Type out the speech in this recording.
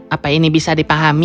apa ini bisa dipahami